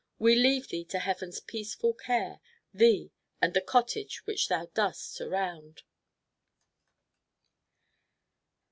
We leave thee to Heaven's peaceful care, Thee, and the Cottage which thou dost surround."